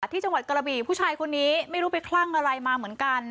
ที่จังหวัดกระบี่ผู้ชายคนนี้ไม่รู้ไปคลั่งอะไรมาเหมือนกัน